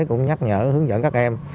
cũng nhắc nhở hướng dẫn các em